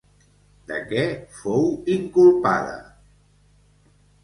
De què fou inculpada?